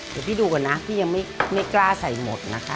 เดี๋ยวพี่ดูก่อนนะพี่ยังไม่กล้าใส่หมดนะคะ